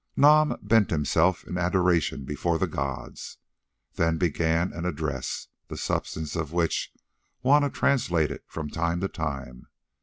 Nam bent himself in adoration before the gods, then began an address, the substance of which Juanna translated from time to time.